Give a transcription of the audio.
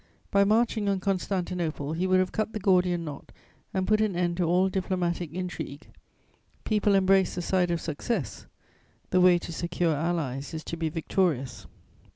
By marching on Constantinople, he would have cut the Gordian knot and put an end to all diplomatic intrigue; people embrace the side of success; the way to secure allies is to be victorious.